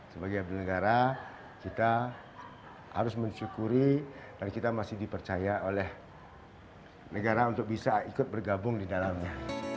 sebagai abdi negara kita harus mensyukuri dan kita masih dipercaya oleh negara untuk bisa ikut bergabung di dalamnya